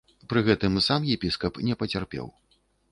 Пры гэтым сам епіскап не пацярпеў.